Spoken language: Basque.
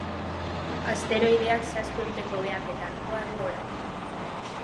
Asteroideak zazpi urteko behaketa arkua du orain.